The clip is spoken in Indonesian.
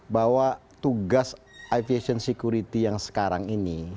bahwa tugas aviation security yang sekarang ini